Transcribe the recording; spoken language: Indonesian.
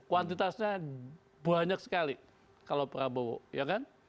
kuantitasnya banyak sekali kalau prabowo ya kan